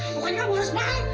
bukannya aku harus marah